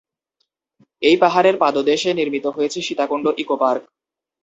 এই পাহাড়ের পাদদেশে নির্মিত হয়েছে সীতাকুণ্ড ইকো পার্ক।